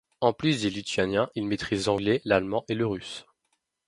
En plus du lituanien, il maîtrise l'anglais, l'allemand et le russe.